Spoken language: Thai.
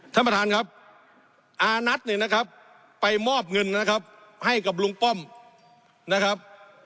ท่านประธานครับอานัทเนี่ยนะครับไปมอบเงินนะครับให้กับลุงป้อมนะครับ